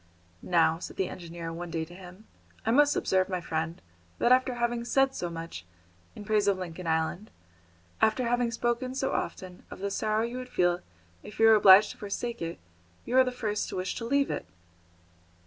"Now," said the engineer one day to him, "I must observe, my friend, that after having said so much, in praise of Lincoln Island, after having spoken so often of the sorrow you would feel if you were obliged to forsake it, you are the first to wish to leave it."